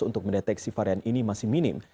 untuk mendeteksi varian ini masih minim